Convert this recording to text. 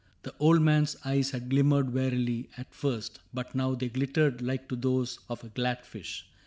The old man's eyes had glimmered wearily At first, but now they glittered like to those Of a glad fish.